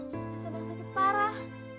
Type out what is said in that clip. kesana sakit parah